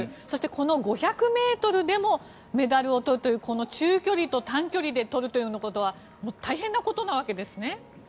そしてこの５００ｍでもメダルを取るというこの中距離、短距離で取ることは大変なことのわけですね。